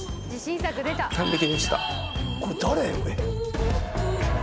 これ誰？